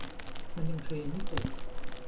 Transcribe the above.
มันยังเทรนไม่เสร็จ